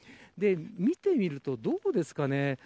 見てみると、どうですかね。